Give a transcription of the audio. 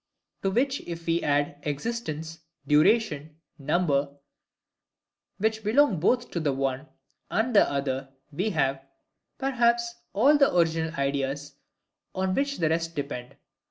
To which if we add EXISTENCE, DURATION, NUMBER, which belong both to the one and the other, we have, perhaps, all the original ideas on which the rest depend.